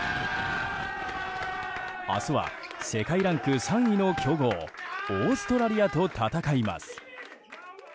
明日は世界ランク３位の強豪オーストラリアと戦います。